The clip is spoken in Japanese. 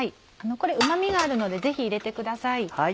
うま味があるのでぜひ入れてください。